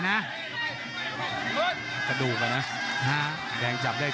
โหโหโหโหโหโหโห